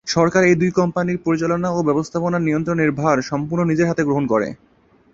সরকার এই দুই কোম্পানির পরিচালনা ও ব্যবস্থাপনা নিয়ন্ত্রণের ভার সম্পূর্ণ নিজের হাতে গ্রহণ করে।